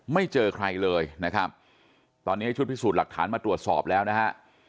ไม่เจอใครเลยนะครับตอนนี้ให้ชุดพิสูจน์หลักฐานมาตรวจสอบแล้วนะฮะ